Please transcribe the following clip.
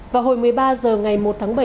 vào hồi một mươi ba h ngày một tháng bảy